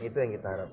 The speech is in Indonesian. itu yang kita harapkan